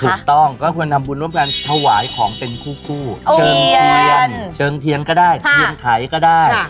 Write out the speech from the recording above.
ถูกต้องก็ควรทำบุญร่วมกันถวายของเป็นคู่เชิงเทียนเชิงเทียนก็ได้เทียนไขก็ได้